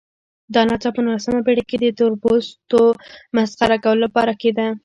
دا نڅا په نولسمه پېړۍ کې د تورپوستو مسخره کولو لپاره کېده.